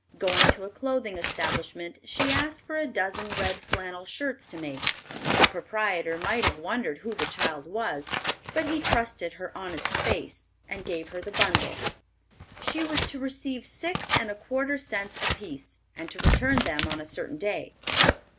Going to a clothing establishment, she asked for a dozen red flannel shirts to make. The proprietor might have wondered who the child was, but he trusted her honest face, and gave her the bundle. She was to receive six and a quarter cents apiece, and to return them on a certain day.